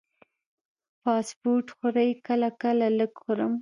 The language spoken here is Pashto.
فاسټ فوډ خورئ؟ کله کله، لږ خورم